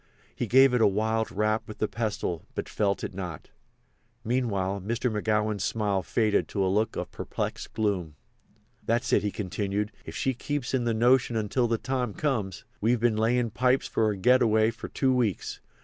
He gave it a wild rap with the pestle, but felt it not. Meanwhile Mr. McGowan's smile faded to a look of perplexed gloom. "That is," he continued, "if she keeps in the notion until the time comes. We've been layin' pipes for the getaway for two weeks.